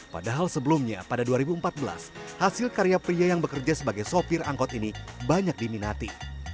padahal sebelumnya pada dua ribu empat belas hasil karya pria yang bekerja sebagai sopir angkot ini banyak diminati